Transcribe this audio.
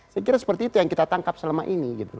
saya kira seperti itu yang kita tangkap selama ini